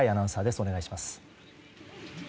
お願いします。